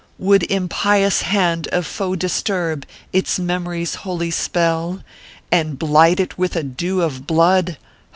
"Would impious hand of foe disturb Its memories holy spell, And blight it with a dew of blood